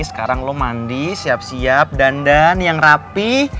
sekarang lo mandi siap siap dandan yang rapi